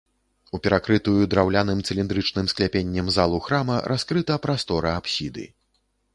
У перакрытую драўляным цыліндрычным скляпеннем залу храма раскрыта прастора апсіды.